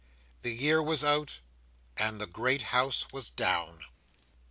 The year was out, and the great House was down.